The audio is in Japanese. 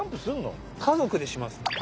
族でします。